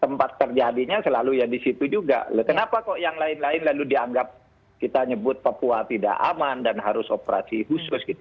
tempat terjadinya selalu ya di situ juga loh kenapa kok yang lain lain lalu dianggap kita nyebut papua tidak aman dan harus operasi khusus gitu